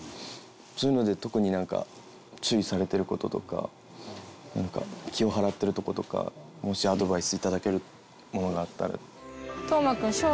そういうので特になんか注意されてる事とか気を払ってるとことかもしアドバイス頂けるものがあったら。